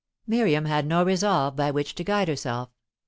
Miriam had no resolve by which to guide herself.